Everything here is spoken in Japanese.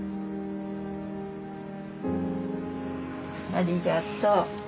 ありがとう。